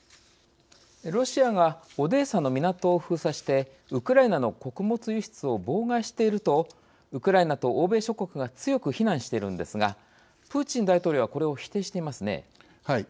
ロシアがオデーサの港を封鎖してウクライナの穀物輸出を妨害しているとウクライナと欧米諸国が強く非難しているんですがプーチン大統領ははい。